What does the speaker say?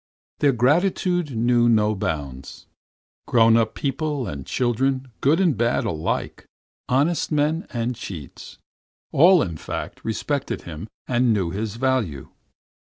Their gratitude knew no bounds. Grown up people and children, good and bad alike, honest men and cheats all in fact, respected him and knew his value.